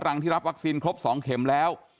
หลังที่รับวัคซีนครบ๒เข็มแล้ว